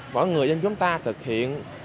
mỗi người dân chúng ta thực hiện